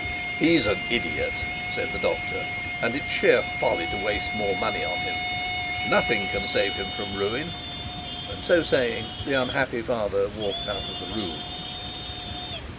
'He's an idiot,' said the doctor, 'and it's sheer folly to waste more money on him. Nothing can save him from ruin,' and so saying, the unhappy father walked out of the room.